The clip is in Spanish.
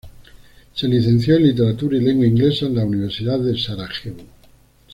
Se licenció en literatura y lengua inglesa en la Universidad de Sarajevo.